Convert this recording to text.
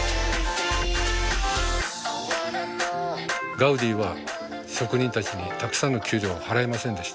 ガウディは職人たちにたくさんの給料を払いませんでした。